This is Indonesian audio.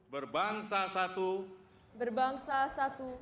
berbangsa satu berbangsa satu bangsa indonesia